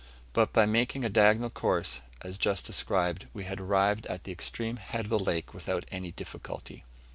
But by making a diagonal course, as just described, we had arrived at the extreme head of the lake without any difficulty.